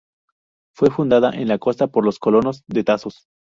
Fue fundada en la costa por colonos de Tasos.